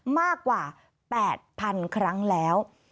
มากกว่า๘๐๐๐ครั้งแล้ว